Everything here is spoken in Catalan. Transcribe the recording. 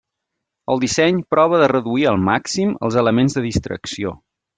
El disseny prova de reduir al màxim els elements de distracció.